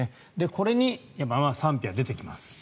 これに賛否が出てきます。